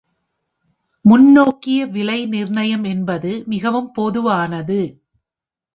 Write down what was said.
முன்னோக்கிய விலை நிர்ணயம் என்பது மிகவும் பொதுவானது.